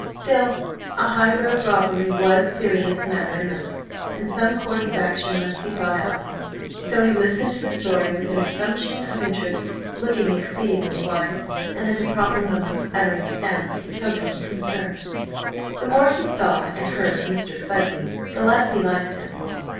Still, a highroad robbery was serious matter enough, and some course of action must be thought out; so he listened to the story with an assumption of interest, looking exceedingly wise, and, at the proper moments, uttering sounds betokening concern. The more he saw and heard of Mr. Fudby, the less he liked him.